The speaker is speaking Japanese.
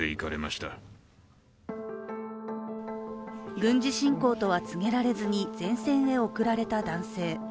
軍事侵攻とは告げられずに前線へ送られた男性。